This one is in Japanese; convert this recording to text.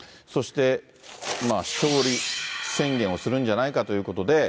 そして、勝利宣言をするんじゃないかということで。